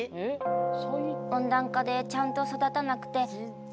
温暖化でちゃんと育たなくて。